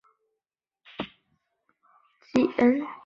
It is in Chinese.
两侧有四面国旗装饰。